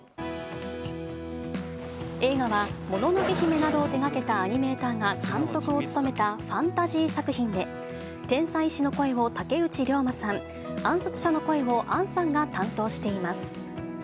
映画はもののけ姫などを手がけたアニメーターが監督を務めたファンタジー作品で、天才医師の声を竹内涼真さん、暗殺者の声を杏さんが担当しています。